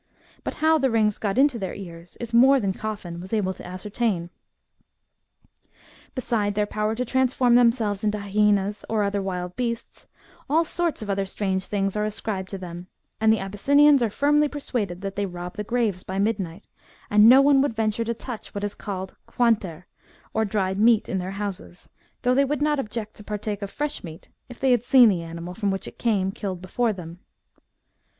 But how the rings got into their ears is more than Coffin was able to ascertain. Beside their power to transform themselves into hyaenas or other wild beasts, all sorts of other strange things are ascribed to them ; and the Abyssinians are firmly persuaded that they rob the graves by midnight, and no one would venture to touch what is called quanter, or dried meat in their houses, though they would not object to partake of fresh meat, if they had seen the animal, from which it came, killed before them.